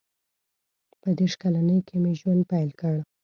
• په دېرش کلنۍ کې مې ژوند پیل کړ.